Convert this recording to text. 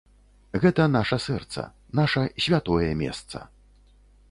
Гэта наша сэрца, наша святое месца!